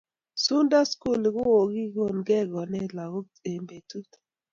Sunda skuli kokikonkei konet lakok eng betut